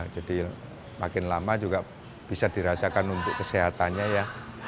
jadi makin lama juga bisa dirasakan untuk kesehatannya ya